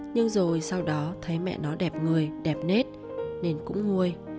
nhưng rồi sau đó thấy mẹ nó đẹp người đẹp nết nên cũng nguôi